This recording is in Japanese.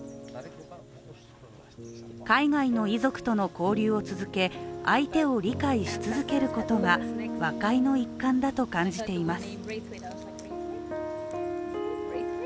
海外の遺族との交流を続け相手を理解し続けることが和解の一環だと感じています。